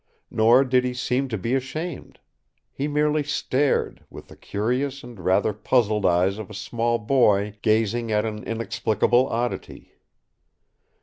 Nor did he seem to be ashamed. He merely stared, with the curious and rather puzzled eyes of a small boy gazing at an inexplicable oddity.